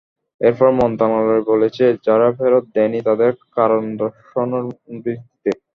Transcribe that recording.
এরপর মন্ত্রণালয় বলেছে, যারা ফেরত দেয়নি তাদের কারণ দর্শানোর নোটিশ দিতে।